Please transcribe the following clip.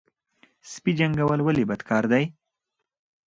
سپي جنګول ولې بد کار دی؟